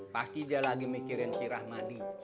pasti dia lagi mikirin si rahmadi